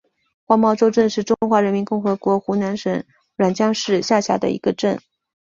黄茅洲镇是中华人民共和国湖南省沅江市下辖的一个镇。